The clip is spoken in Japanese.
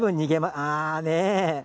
ああ、ねぇ。